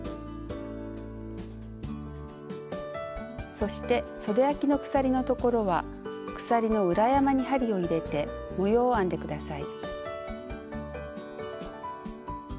そしてそであきの鎖のところは鎖の裏山に針を入れて模様を編んでください。